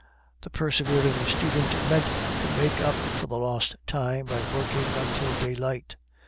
The persevering student meant to make up for the lost time by working until daylight.